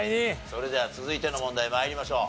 それでは続いての問題参りましょう。